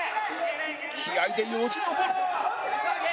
気合でよじ登る！